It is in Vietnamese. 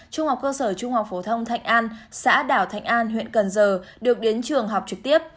trung học cơ sở trung học phổ thông thạnh an xã đảo thạnh an huyện cần giờ được đến trường học trực tiếp